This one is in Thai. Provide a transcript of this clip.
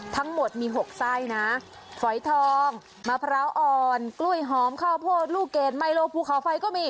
ทั้งหมดมี๖ไส้นะฝอยทองมะพร้าวอ่อนกล้วยหอมข้าวโพดลูกเกดไมโลภูเขาไฟก็มี